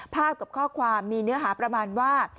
กับข้อความมีเนื้อหาประมาณว่า